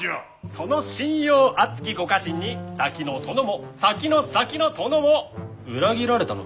その信用厚きご家臣に先の殿も先の先の殿も裏切られたのでは？